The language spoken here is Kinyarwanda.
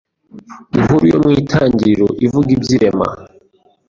Inkuru yo mu Itangiriro ivuga iby’irema